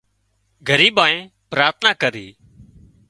ڳريبائين پراٿنا ڪري